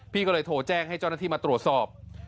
พี่ก็เลยโทรแจ้งให้เจ้าหน้าที่มาตรวจสอบ